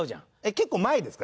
結構前ですか？